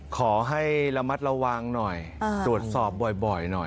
ขอให้ระมัดระวังหน่อยตรวจสอบบ่อยหน่อย